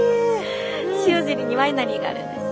塩尻にワイナリーがあるんです。